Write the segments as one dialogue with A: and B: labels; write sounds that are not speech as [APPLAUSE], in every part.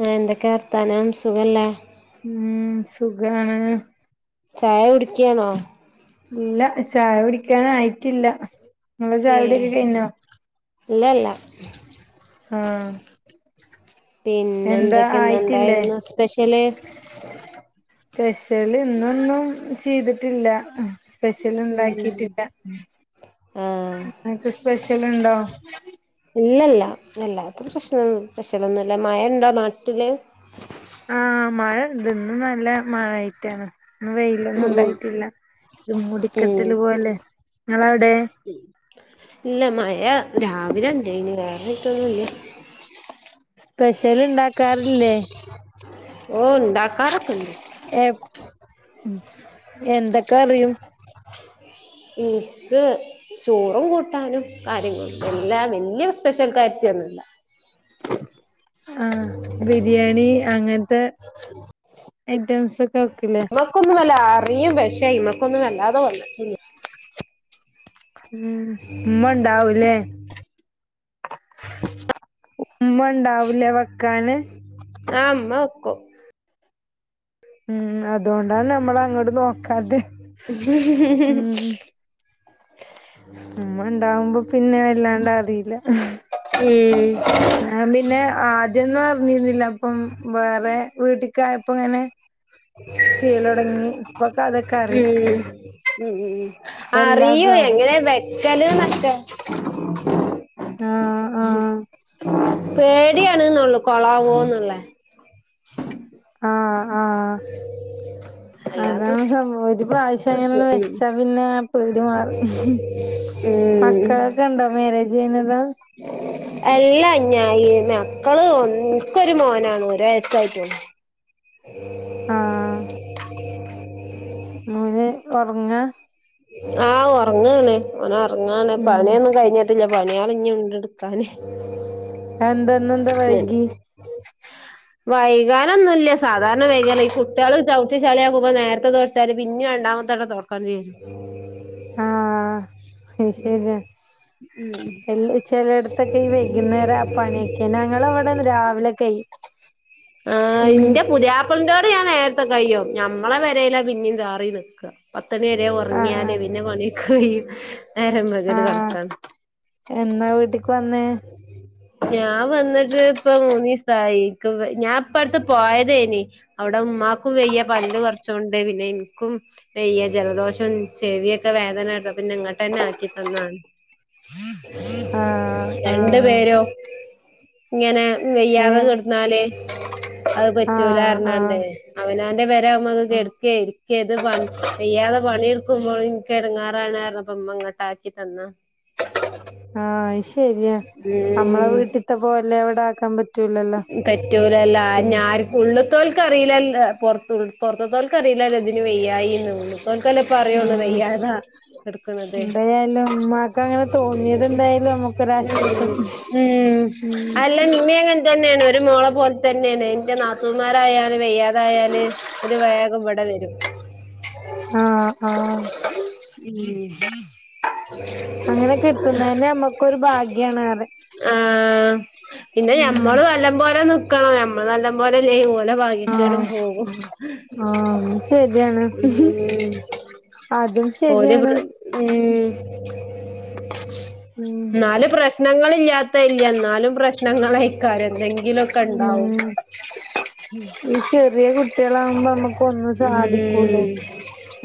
A: ആ എന്തെക്കെ വർത്താനം സുഖല്ലേ?
B: ഉം സുഖാണ്.
A: ചായ കുടിക്ക്യാണോ?
B: ഇല്ല ചായ കുടിക്കാനായിട്ടില്ല. ങ്ങളെ
A: ഏ
B: ചായകുടിയൊക്കെ കയ്ഞ്ഞോ?
A: ഇല്ലല്ല
B: ആഹ്
A: പിന്നെ
B: എന്താ
A: എന്തൊക്കെ ഇന്ന് എന്തായിരുന്നു സ്പെഷ്യല്?
B: സ്പെഷ്യല് ഇന്നൊന്നും ചീതിട്ടില്ല. സ്പെഷ്യൽ
A: ഉം
B: ഉണ്ടാക്കിട്ടില്ല.
A: ആ
B: ങ്ങക്ക്‌ സ്പെഷ്യൽണ്ടോ?
A: ഇല്ലല്ല. വല്ലാത്ത സ്പെഷ്യലൊന്നുല്ലാ. മഴ ഉണ്ടോ നാട്ടില്?
B: ആ മഴ ഉണ്ട്. ന്ന്നല്ല മഴായിട്ടാണ്. വെയിലൊന്നും
A: ഉം ഉം
B: ഉണ്ടായിട്ടില്ല. ഒരു
A: ഉം
B: മൂടിക്കെട്ടല് പോലേ. ങ്ങളവിടെ?
A: ഇല്ല. മഴ രാവിലെണ്ടയിനി. വേറെ ഇട്ടൊന്നുല്ല.
B: സ്പെഷ്യൽ ഉണ്ടാക്കാറില്ലേ?
A: ഓ. ഉണ്ടാക്കാറൊക്കെണ്ട്.
B: എപ്പ് എന്തൊക്കെറിയും?
A: ഇന്ക് ചോറും കൂട്ടാനും കാര്യങ്ങളും എല്ലാ വല്ല്യ സ്പെഷ്യൽ കാരത്തിയോന്നുല്ല.
B: ആഹ് ബിരിയാണി അങ്ങനത്തെ ഐറ്റംസൊക്കെ വെക്കൂല്ലെ
A: നമ്മക്കൊന്നുവല്ല അറിയും പഷെ അയ്മക്കൊന്നും വല്ലാതെ വന്നിട്ടില്ലാ
B: ഉം ഉമ്മ ഉണ്ടാവൂലേ
A: [UNINTELLIGIBLE]
B: ഉമ്മണ്ടാവൂലേ വെക്കാന്?
A: ആ ഉമ്മ വെക്കും
B: ഉം അതോണ്ടാ നമ്മള് അങ്ങട് നോക്കാതെ ഉം. ഉമ്മണ്ടാവുമ്പോ പിന്നെ വല്ലാണ്ട് അറിയില്ല
A: ഉം
B: ഞാൻ പിന്നെ ആദ്യംന്ന് അറിഞ്ഞിരുന്നില്ല അപ്പം വേറെ വീട്ടിക്കയപ്പങ്ങനെ. ചെയ്ലൊടങ്ങി ഇപ്പൊക്കെ അതൊക്കെ അറിയും
A: ഉം ഉം
B: ഇപ്പ
A: അറിയോ
B: എല്ലാതും അറിയും
A: എങ്ങനെ വെ - പെലെ നഷ
B: ആഹ്
A: [UNINTELLIGIBLE]
B: ആഹ്
A: പേടിയാണ്ന്നൊള്ളു കൊളാവോന്നൊള്ളേ
B: ആ ആ
A: [UNINTELLIGIBLE]
B: അതാണ് സംഭവം ഒരു പ്രാവശ്യം
A: പ്രശ്നം
B: അങ്ങനെന്ന് വെച്ചാ പിന്നെ പേടി മാറും.
A: ഉം
B: മക്കളൊക്കെ ഉണ്ടോ മാരേജ് കഴിഞ്ഞത്?
A: അല്ലാ ഞാ ഇ മക്കള് ൻക്കൊരു മോനാണ് ഒരു വയസ്സായിട്ടുള്ളു [UNINTELLIGIBLE]
B: ആഹ് മോന് ഉറങ്ങാ?
A: ആഹ് ഉറങ്ങാണ് ഓന് ഉറങ്ങാണ്
B: ഉം
A: പണിയൊന്നും കഴിഞ്ഞിട്ട- ട്ടില്ല പണിയാള്ഞ്ഞുണ്ട് എടുക്കാന്
B: അതെന്താന്നെന്താ വൈകി
A: [UNINTELLIGIBLE] വൈകാനൊന്നുല്ല സാധാരണ വൈകല് ഈ കുട്ട്യള് ചവിട്ടി ചളിയക്കുമ്പോ നേരത്തെ തൊട- ത് പിന്നേ രണ്ടാമത്തെട തൊട്ക്കണ്ടി വരും
B: ആഹ് അത് ശരിയാ എല്ല്- ചിലയിടത്തൊക്കെ ഈ വൈകുന്നേരം ആ പണിയൊക്കെ ഞങ്ങളെവിടെ രാവിലെക്കയ്യും.
A: ആ ന്റെപുതിയാ- പന്റോടെ ഞാൻ നേരത്തെ കയിയും ഞമ്മളെ പെരേലാ പിന്നെയും താറി നിക്കാ പത്തണിവരെ
B: ആഹ്
A: ഉറങ്ങിയാല് പിന്നെ പണിട്ക്കാൻ കയിയൊ? നേരം
B: ആഹ്
A: [UNINTELLIGIBLE]
B: ആഹ്
A: കടക്കാണ്.
B: എന്നാ വീട്ടിക്ക് വന്നേ
A: ഞാൻ വന്നിട്ട് ഇപ്പ മൂന്നിസായി. ഞാൻ ഇപ്പടുത്ത് പോയതേനി അവിടെ ഉമ്മാക്കും വയ്യ പല്ല് പറിച്ചോണ്ട് പിന്നെ ഇൻക്കും- വയ്യ ജലദോഷം ചെവിയൊക്കെ വേദന എടു പിന്നെ ഇങ്ങോട്ടന്നെ ആക്കി തന്നാണ്.
B: ആഹ്
A: രണ്ട്
B: ആഹ്
A: പേരോ ഇങ്ങനെ വയ്യാതെ
B: ഏഹ്
A: കിടന്നാല് അത്
B: ആഹ് ആഹ്
A: പറ്റൂലറഞ്ഞാണ്ട്. അവനാന്റെ പെരാവുമ്പമ്മക്ക് കെടക്കെ ഇരിക്കേ ഇത് പ വെയ്യാതെ പണിട്ക്കുമ്പോൾ ഇൻക്ക് എടങ്ങാറാണ [UNINTELLIGIBLE] ഇമ്മ ഇങ്ങട്ടാക്കി തന്ന [INAUDIBLE]
B: ആഹ്ശരിയാ നമ്മളെ
A: ഉം
B: വീട്ട്ത്തെ പോലെ അവടെ ആക്കാൻ പറ്റ
A: കറ്റൂലല്ലാ ഞാര് ഉള്ള്തോൽക്കറിയില്ലൽ പൊറത്ത്പൊറത്തത്തോൽ ഇക്കറിയില്ലല്ലോ ഇതിന് വെയ്യായീന്ന് ഉള്ള്തോക്കല്ലേപ്പ അറിയുള്ളൂ
B: ആഹ്
A: വയ്യാത കെടുക്കുന്നത്
B: എന്തായാലും ഉമ്മാക്ക് അങ്ങനെ തോന്നിയത് എന്തായാലും നമ്മുക്കൊരാശ്വാസം
A: ഉംഉം
B: ഉം
A: അല്ല മ്മേ ഇങ്ങ്- ഇത് തന്നെയാണ് ഒരു മോളെ പോലെ തന്നെയാണ് എന്റെ നാത്തൂമാരായാല് വയ്യാതായാല്- ഒരു വേഗം ഇവടെ വരും.
B: ആ ആ
A: [UNINTELLIGIBLE]
B: അങ്ങനെൊക്കെട്ടുന്നന്നെ നമൊക്കൊരു ഭാഗ്യണ്
A: ആഹ് പിന്നെ
B: ഉം
A: ഞമ്മള് വല്ലംപോലെ നിക്കണം യം മ്മ നല്ലംപോലെല്ലേങ്ങു ഓലെ ഭാഗ്യക്കേടും
B: ആഹ്
A: പോകും.
B: ആഹ് അതും ശരിയാണ്
A: ഉം.
B: അതും
A: ഓല് [UNINTELLIGIBLE]
B: ശരിയാണ്
A: ഉം
B: ഉം
A: [INAUDIBLE] നാല് പ്രാ ഞങ്ങൾ ഇല്ലാത്ത ഇല്ല എന്നാലും പ്രശ്നങ്ങളേക്കാരം എൻതെങ്കി കിലൊക്കെ ഇണ്ടാവും.
B: ഉം ഈ ചെറിയ കുട്ടികളാകുമ്പോ നമ്മക്ക് ഒന്നും
A: ഉം
B: സാധിക്കൂലേ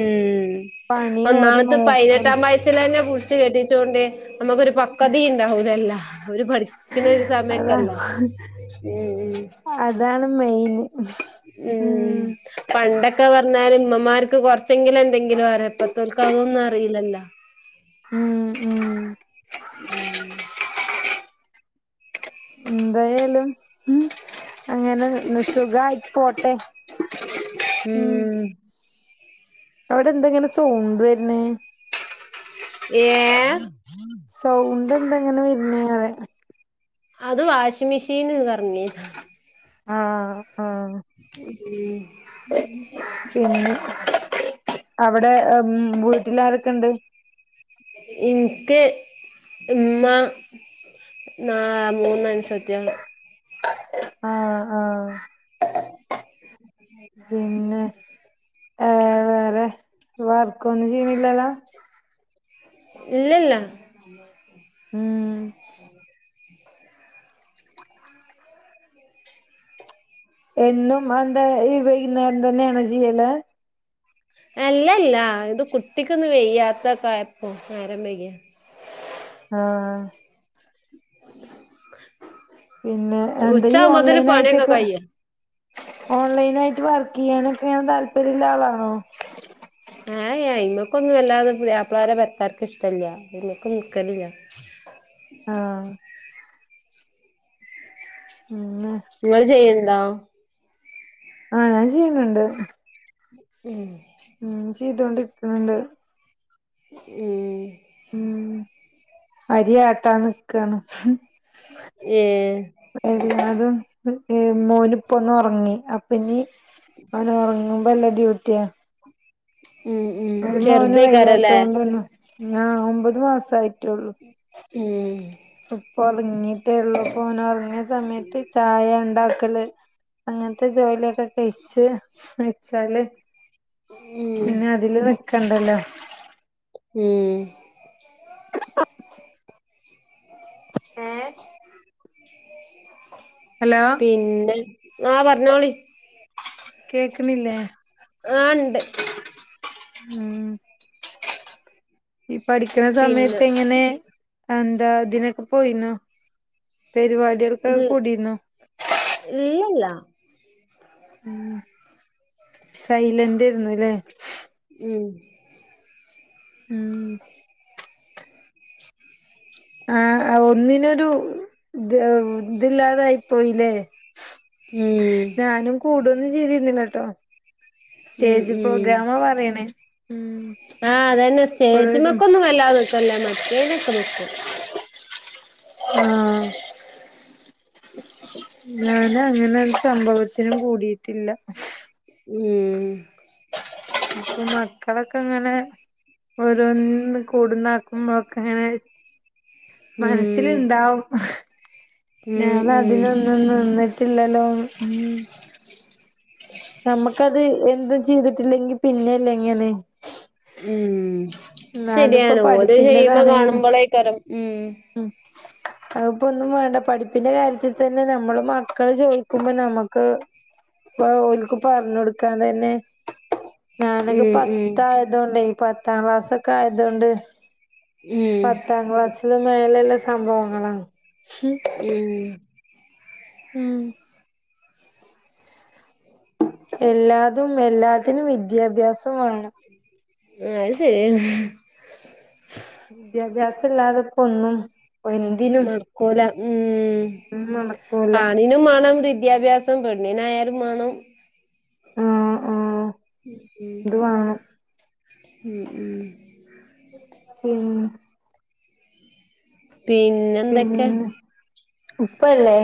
A: ഉം
B: പണി ഓരെ
A: ഒന്നാമത്തെ
B: നോക്കൽ
A: പൈപനെട്ടാം വയസസിലെന്നെ കു ച്ച്കെട്ടിച്ചൊണ്ട് നമുക്കൊരു പക്ക്വാതിം ഇണ്ടാവൂലല്ലോ ഒരു പഠി ഇന്നത്
B: അതാ
A: സമയക്കല്ല ഉം. ഉം.
B: അതാണ് മെയ്ന് ഉം.
A: പണ്ടൊക്കെ പറഞ്ഞാല് ഇമ്മമാർക്ക് കൊറച്ചെങ്കിലും എന്തെങ്കിലും അറി ഇപ്പത്തോൽക്ക് അതൊന്നും അറിയില്ലല്ലോ?
B: ഉം. ഉം
A: [INAUDIBLE]
B: ഉം എന്തായാലും ഉ അങ്ങനെ സുഖയിട്ട് പോട്ടെ
A: ഉം.
B: അവടെ എന്തെങ്ങനെ സൗണ്ട് വര്നെ?
A: ഏഹ്?
B: സൗണ്ട് എന്തെങ്ങനെ വര്ണേപറയാ
A: അത് വാഷിം മീഷീന് കറങ്ങി.
B: ആഹ് ആഹ്
A: [UNINTELLIGIBLE]
B: അവടെ ഉം വീട്ടില് ആരൊക്കെ ഇണ്ട്?
A: ഇൻക്ക് ഇമ്മാ, ന്നാ മൂന്നൻസത്യാള്.
B: ആഹ് ആഹ് പിന്നെ. വർക്കൊന്ന് ചിയ്യില്ലല്ലൊ?
A: ഇല്ല ഇല്ല. [UNINTELLIGIBLE]
B: ഉം. എന്നും എന്താ ഈ വൈകുന്നേരം തന്നെയാണോ ചെയ്യല്?
A: അല്ലല്ലാ ഇത് കുട്ടിക്ക്ന്ന് വെയ്യാത്ത ക്കെയപ്പം നേരംവൈഗ്യ
B: ആഹ്
A: [INAUDIBLE]
B: പിന്നെ എന്തയ് ഈ
A: ഉച്ചാവുമ്പോത്തിന്
B: ഓൺലൈൻ
A: പണിയൊക്കെ
B: നായ്ട്ടൊക്കെ.
A: കയ്യും
B: ഓൺലൈൻ ആയിട്ട് വർക്ക് കിയ്യാനൊക്കെ താല്പര്യള്ള ആളാണോ?
A: ആ യ്ഇ്മക്കഒന്നും വല്ലാതെ പുതയാപളാരെ പെരകാർക്ക് ഇഷ്ടല്ല അ്മൊക്കുംന്ന്മക്കലില്ല.
B: ആഹ് പിന്നെ
A: ഇങ്ങള് ചെയ്യ്ണ്ടോ?
B: ആഹ് ഞാൻ ചെയ്ണിണ്ട്
A: ഉം
B: ഉം ചെയ്തോണ്ട്ക്ണിണ്ട്
A: ഉം
B: ഉം അരി ആട്ടാ ന്ന്ക്കാണ്
A: ഏഹ്
B: എല്ലാതും ഏ മോനിപ്പൊന്നൊറങ്ങി അപ്പനി അവനൊറങ്ങുമ്പള്ള ഡ്യൂട്ടിയ
A: ഉം ഉം ചെറുതായ്കാരല്ലേ
B: ആ ഒമ്പത് മാസായിട്ടൊള്ളൂ
A: ഉം
B: ഇപ്പൊ ഒറങ്ങിട്ടേള്ളൂ പോനഒറങ്ങിയ സമയത്ത് ചായ ണ്ടാക്കല് അങ്ങന് ത്തെ ജോലിയൊക്കെ കെയിച്ച് വച്ചാല്
A: ഉം
B: പിന്നെ അതില് ന്ന്ക്കണ്ടല്ലോ
A: ഉം
B: ഏ ഹലോ
A: പിന്നെ ആ പറഞ്ഞോളി
B: കേക്ക് ന്നില്ലേ
A: ആ ണ്ട്
B: ഉം ഈ പഠിക്ണ
A: പിന്നെ
B: സമയത്ത് എങ്ങനെ എന്താ തിനൊക്കെ പോയിന്നോ പെരിവാടിൾക്ക
A: ഇത്
B: കൂടിന്ന
A: ഇല്ലല്ല
B: ഉ സൈലൻ്റെര്ന്നു ല്ലേ
A: ഉം
B: ഉം ആ ഒന്നിനൊരു ത് തില്ലാതായിപ്പോയില്ലേ
A: ഉം
B: ഞാനും കൂടൊതന്നു ചെയ്തിര്ന്നില്ലട്ടോ
A: ഉം
B: സ്റ്റേജ്
A: ഉം
B: പ്രോഗ്രാമ പറയ്ണേ ഉം
A: ആ അതന്നെ
B: ഇപ്പോഴും
A: സ്റ്റേജുമക്കൊന്നും വല്ലാതെ ന്ന്ക്കല്ല മറ്റേനൊക്കെ ന്ന്ക്കും
B: ആ ഞാൻ അങ്ങനെരു സംഭവത്തിനും കൂടിയിട്ടില്ല
A: ഉം
B: ഇ മക്കളൊക്കെ ങ്ങനെ ഓരോന്ന് കൂടുന്നാക്കുമ്പോഴൊക്കെ ങ്ങനെ
A: ഉം
B: മനസ്സില്ണ്ടാവും
A: ഉം ഉം
B: ഞാനതിനൊ ന്ന് നിന്നിട്ടില്ലല്ലോ നമ്മ ക്കത് എന്ത് ചിയ്തിട്ടില്ലെങ്കിൽ പിന്നെല്ലേ ങ്ങനെ
A: ഉം
B: അതിപ്പോ
A: ശരിയാണ് ഓല് ചെയ്യുമ്പോ
B: പഠിപ്പിന്റെതാണെങ്കിലും
A: കാണുമ്പൊളേക്കരം ഉം
B: ഉം അഅ്പ്പോ ഒന്നും വാണ്ട പഠിപ്പിൻ്റെ കാര്യത്തിൽ തന്നെ നമ്മള് മക്കള് ചോയിക്കുമ്പോ നമ്മക്ക് ഇപ്പ ഓൽക്ക് പറഞ്ഞൊടുക്കാൻ തന്നെ ഞാനൊക്ക്
A: ഉം ഉം
B: പത്തായതോണ്ട് പത്താം ക്ലാസ്സൊക്കായ തോണ്ട്
A: ഉം
B: പത്താംക്ലാസിലും മേലല്ലേ സംഭവങ്ങളാണ്
A: ഉം
B: ഉം എല്ലാതും എല്ലാത്തിനും വിദ്യാഭ്യാസം വാണം
A: ആഹ് അയ് ശെരിയെന്നെ
B: വിദ്യാഭ്യാസല്ലാതെ പ്പോന്നും
A: നടക്കൂല ഉം
B: ഒന്നും നടക്കൂല
A: പണി ണിനും മാണം വിദ്യാഭ്യാസം പെണ്ണിനായാലും മാണം
B: ആഹ് ആഹ്
A: ഉം ഉം
B: ഇത് വേണം
A: ഉം ഉം
B: ഉം പിന്നെ
A: പിന്നെന്തൊക്കെ
B: ഉപ്പല്ലേ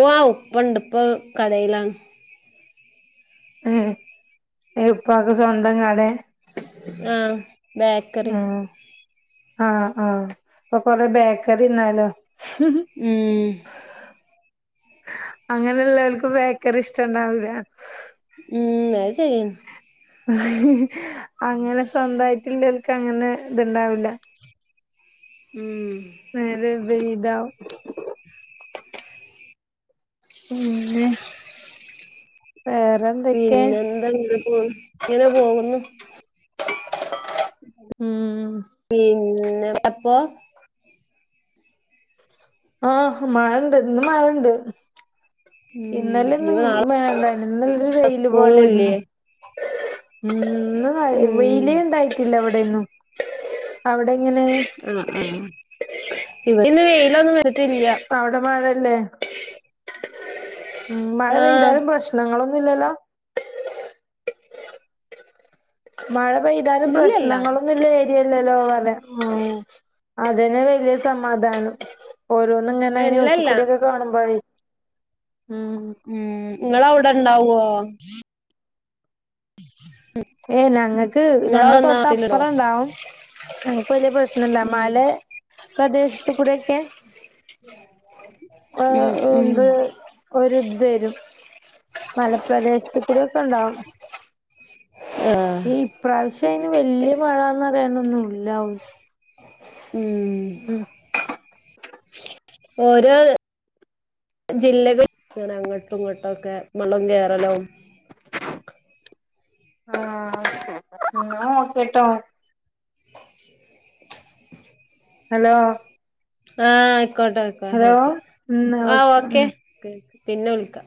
A: വാവ് ഉപ്പണ്ട് ഉപ്പ കടയിലാണ്
B: ഏഹ് എ ഉപ്പാക്ക് സ്വന്തം കടെ
A: ആഹ് ബേക്കറി
B: ആഹ് ആഹ് ആഹ് അപ്പൊ കൊറെ ബേക്കറിന്നാലോ
A: ഉം
B: അങ്ങനെള്ളോൽക്ക് ബേക്കറി ഇഷ്ടണ്ടാവുല
A: ഉം അത് ശരിയാ
B: അങ്ങനെ സ്വന്തായിട്ട്ല്ലോല്ക്ക് അങ്ങനെ ഇത്ണ്ടാവില്ല
A: ഉം
B: നേരെ വിപരീതാവും പിന്നെ വേറെ
A: പിന്നെന്താ ഇങ്ങനെ പോകുന്നു ഇങ്ങനെ പോകുന്നു
B: ഉം
A: പിന്നെ അപ്പൊ
B: ആഹ് മഴണ്ട് ഇന്ന് മഴണ്ട്
A: ഉം
B: ഇന്നലെന്നും
A: ഇനിപ്പോ നാളെ
B: മഴണ്ടായിന്നില്ല ഇന്നലോരു വെയില്
A: സ്കൂളും ഇല്ലേ
B: പോലൊരുന്നു ഉം ഇന്ന്
A: ഉം
B: വെയിലെണ്ടായിട്ടില്ല ഇവിടെന്നും അവിടെങ്ങനെ
A: ആഹ് ആഹ് ഇവിടെ ഇന്ന് വെയിലൊന്നും വരത്തില്ല
B: ഇപ്പഅവിടെ മഴല്ലേ ഉം മഴ
A: ആഹ്
B: പെയ്താലും പ്രശ്നങ്ങളൊന്നുല്ലല്ലോ മഴ പെയ്താലും
A: ഇല്ലല്ല
B: പ്രശ്നങ്ങളൊന്നുല്ലെ ഇല്ലല്ലോ പറയ ഉം അതെന്നെ വല്യേ സമാധാനം ഓരോന്ന്ങ്ങനെ
A: ഇല്ലല്ല
B: ന്യൂസ്കൂടിയൊക്കെ കാണുമ്പഴെ ഉം
A: ഉം ഇങ്ങളവുടെണ്ടാവോ ഉം
B: ഏ ഞങ്ങക്ക് ഞങ്ങളെ തൊട്ടപ്പറണ്ടാവും ഞങ്ങക്ക് വല്യ പ്രശ് നല്ല
A: ഉം
B: മല പ്രദേശത്ത് കൂടെയോക്കെ ആഹ്
A: ഉം ഉം
B: എന്ത് ഒരുത് വരും മലപ്രദേശത്ത് കൂടിയോക്കെണ്ടാവും
A: ആഹ്
B: ഈ ഇപ്രാവശ്യയിന് വല്യ മഴന്നറിയാനോന്നുല്ലാവു
A: ഉം ഓരോ ജില്ലക ഇങ്ങനെ അങ്ങോട്ടും ഇങ്ങോട്ടൊക്കെ വെള്ളം കേറലും
B: ആഹ് ന്നാ ഒക്കെട്ടോ ഹലോ
A: ആഹ് ആയിക്കോട്ടയിക്കോ
B: ഹലോ
A: ഓക്കെ
B: ഉം
A: ആഹ്
B: ഉം
A: ഓക്കെ പിന്നെ വിളിക്കാ